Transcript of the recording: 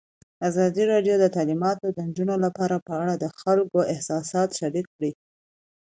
ازادي راډیو د تعلیمات د نجونو لپاره په اړه د خلکو احساسات شریک کړي.